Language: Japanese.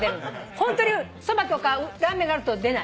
ホントにそばとかラーメンがあると出ない？